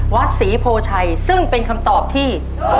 วัดศรีโพชัยซึ่งเป็นคำตอบที่